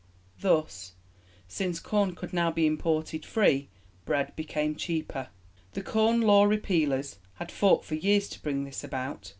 Thus, since corn could now be imported free, bread became cheaper. The Corn Law Repealers had fought for years to bring this about.